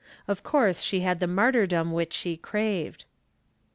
Of course she had the martyrdom which she craved.